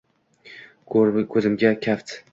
Ko’zimga kaft